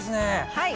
はい。